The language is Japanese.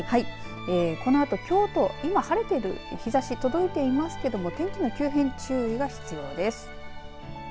このあと京都、今晴れている日ざし届いていますけれども天気の急変、注意が必要です。